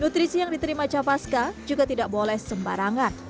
nutrisi yang diterima capaska juga tidak boleh sembarangan